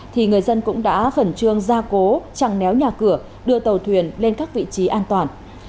thì người dân cũng đã khẩn trương ra cố chẳng néo nhà cửa đưa tàu thuyền lên các vị trí an toàn